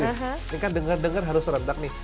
ini kan dengar dengar harus seretak nih